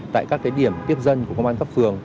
tại các điểm tiếp dân của công an cấp phường